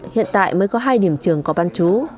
hiện tại mới có hai điểm trường có bán chú